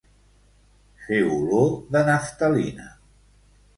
Fer olor de naftalina.